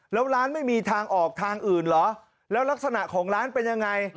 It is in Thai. แล้วร้านไม่มีทางออกทางอื่นเหรอแล้วลักษณะของร้านเป็นยังไง